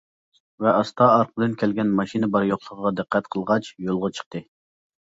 ۋە ئاستا ئارقىدىن كەلگەن ماشىنا بار يوقلۇقىغا دىققەت قىلغاچ يولغا چىقتى.